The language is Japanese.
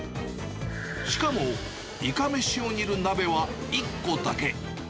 しかも、いかめしを煮る鍋は１個だけ。